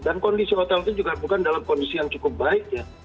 dan kondisi hotel itu juga bukan dalam kondisi yang cukup baik ya